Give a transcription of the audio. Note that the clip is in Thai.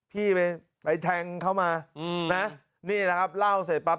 พี่ไปไปแทงเขามานะนี่แหละครับเล่าเสร็จปั๊บ